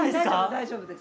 大丈夫です。